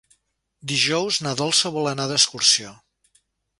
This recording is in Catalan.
Dijous na Dolça vol anar d'excursió.